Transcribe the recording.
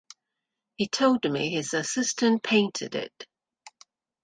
He told me his assistant painted it.